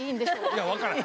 いや分からへん。